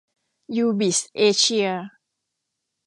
ยูบิส เอเชีย